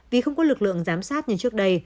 vì không có lực lượng giám sát như trước đây